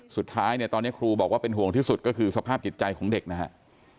สุดท้ายเนี่ยตอนนี้ครูบอกว่าเป็นห่วงที่สุดก็คือสภาพจิตใจของเด็กนะครับ